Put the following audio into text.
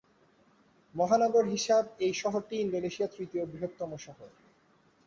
মহানগর হিসাব এই শহরটি ইন্দোনেশিয়ার তৃতীয় বৃহত্তম শহর।